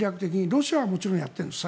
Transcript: ロシアはもちろんやっています